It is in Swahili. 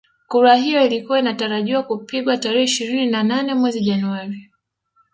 Kura hiyo ilikuwa inatarajiwa kupigwa tarehe ishirini na nane mwezi Januari